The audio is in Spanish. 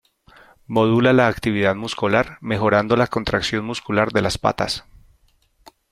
Modula la actividad muscular, mejorando la contracción muscular de las patas.